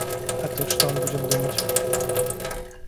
А тут что он будет думать?